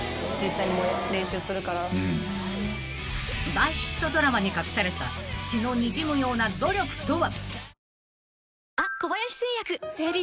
［大ヒットドラマに隠された血のにじむような努力とは？］